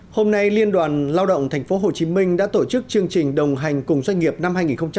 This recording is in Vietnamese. hôm nay liên đoàn lao động tp hcm đã tổ chức chương trình đồng hành cùng doanh nghiệp năm hai nghìn hai mươi bốn